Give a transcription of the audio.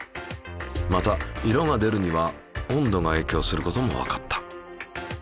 また色が出るには温度がえいきょうすることもわかった。